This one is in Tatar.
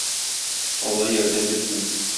Алла ярдәм бирсен!